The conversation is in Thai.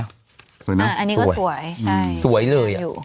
อันนี้ก็สวย